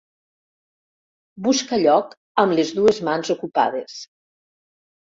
Busca lloc amb les dues mans ocupades.